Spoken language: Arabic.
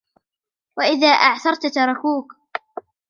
وَإِذَا أَعْسَرْت تَرَكُوك